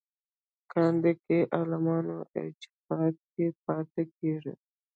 ګانده کې عالمانو اجتهاد کې پاتې کېږي.